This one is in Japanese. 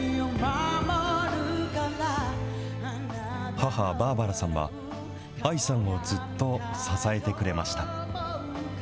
母、バーバラさんは、ＡＩさんをずっと支えてくれました。